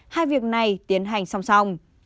hai việc này tiến hành song song